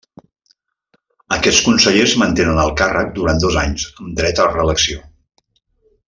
Aquests consellers mantenen el càrrec durant dos anys amb dret a reelecció.